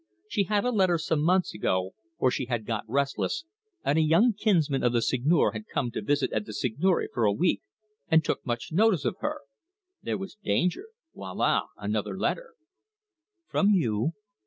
She had a letter some months ago, for she had got restless, and a young kinsman of the Seigneur had come to visit at the seigneury for a week, and took much notice of her. There was danger. Voila, another letter." "From you?"